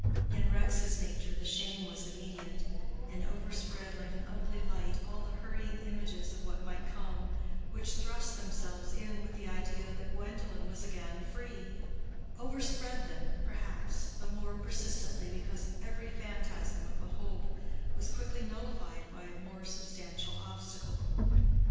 In Rex's nature the shame was immediate, and overspread like an ugly light all the hurrying images of what might come, which thrust themselves in with the idea that Gwendolen was again free—overspread them, perhaps, the more persistently because every phantasm of a hope was quickly nullified by a more substantial obstacle.